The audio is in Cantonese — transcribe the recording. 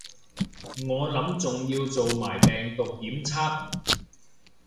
我諗仲要做埋病毒檢測